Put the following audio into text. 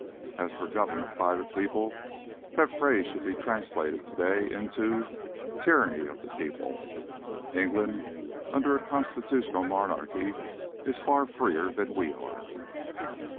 As for 'government by the people,' that phrase should be translated to day into 'tyranny of the people.' England under a constitutional monarchy is far freer than we are."